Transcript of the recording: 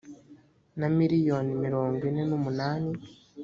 na miliyoni mirongo ine n umunani